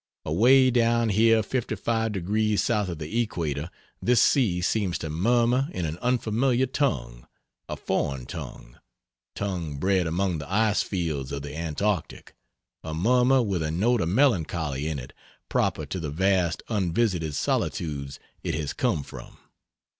Away down here fifty five degrees south of the Equator this sea seems to murmur in an unfamiliar tongue a foreign tongue tongue bred among the ice fields of the Antarctic a murmur with a note of melancholy in it proper to the vast unvisited solitudes it has come from.